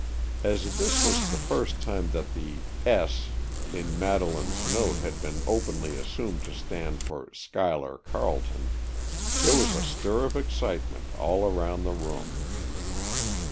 As this was the first time that the "S." in Madeleine's note had been openly assumed to stand for Schuyler Carleton, there was a stir of excitement all round the room.